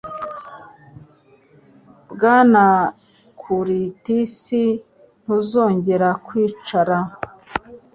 Bwana Curtis, ntuzongera kwicara?